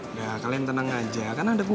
nggak kalian tenang aja kan ada gue